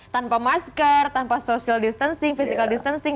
tanpa masker tanpa social distancing physical distancing